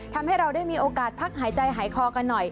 ทำให้เราได้มีโอกาสพักหายใจหายคอกันหน่อย